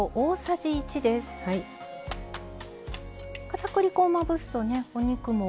かたくり粉をまぶすとねお肉も。